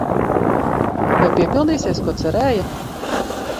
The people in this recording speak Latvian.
Vai piepildīsies, ko cerēja?